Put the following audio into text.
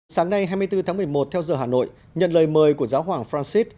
sáng nay hai mươi bốn tháng một mươi một theo giờ hà nội nhận lời mời của giáo hoàng francis